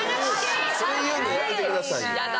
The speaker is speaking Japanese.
それ言うのやめてくださいよ。